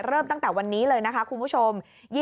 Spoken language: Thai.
เริ่มตั้งแต่วันนี้เลยนะคะคุณผู้ชม